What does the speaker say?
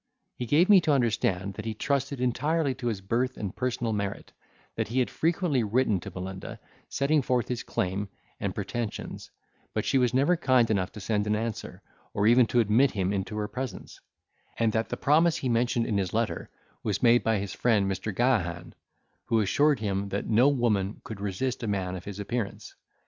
He gave me to understand, that he trusted entirely to his birth and personal merit; that he had frequently written to Melinda, setting forth his claim and pretensions, but she was never kind enough to send an answer, or even to admit him into her presence; and that the promise he mentioned in his letter was made by his friend Mr. Gahagan, who assured him that no woman could resist a man of his appearance.